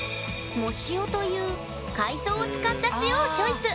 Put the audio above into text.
「藻塩」という海藻を使った塩をチョイス！